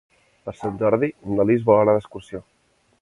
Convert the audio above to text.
Per Sant Jordi na Lis vol anar d'excursió.